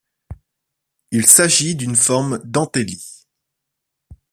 Il s'agit d'une forme d'anthélie.